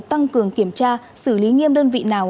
tăng cường kiểm tra xử lý nghiêm đơn vị nào